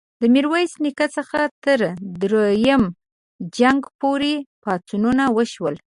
د میرویس نیکه څخه تر دریم جنګ پوري پاڅونونه وشول.